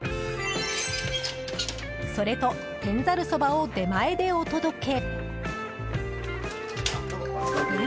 それと天ざるそばを出前でお届け。